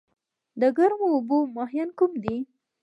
د ګرمو اوبو ماهیان کوم دي؟